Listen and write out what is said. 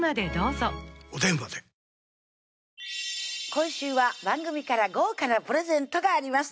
今週は番組から豪華なプレゼントがあります